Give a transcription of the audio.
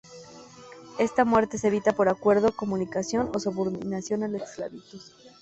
Esta muerte se evita por acuerdo, comunicación o subordinación a la esclavitud.